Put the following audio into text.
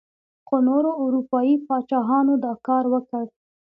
خو نورو اروپايي پاچاهانو دا کار وکړ.